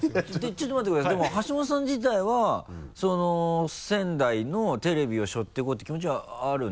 ちょっと待ってくださいでも橋本さん自体は仙台のテレビを背負っていこうていう気持ちはあるんですか？